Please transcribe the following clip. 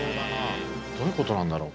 どういうことなんだろう？